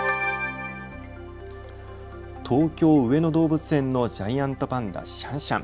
東京上野動物園のジャイアントパンダ、シャンシャン。